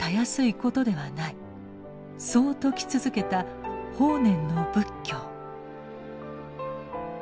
そう説き続けた法然の仏教。